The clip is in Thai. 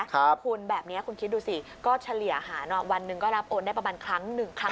คุณแบบนี้คุณคิดดูสิก็เฉลี่ยหาวันนึงก็รับโอนได้ประมาณ๑ครั้งกว่า